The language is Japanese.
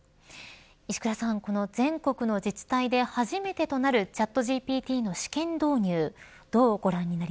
石倉さん、この全国の自治体で初めてとなるチャットＧＰＴの試験導入